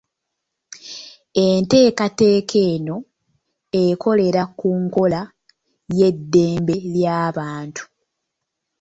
Entekateka eno ekolera ku nkola y'eddembe ly'abantu.